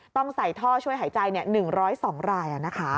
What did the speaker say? ต้องใส่ท่อช่วยหายใจ๑๐๒ราย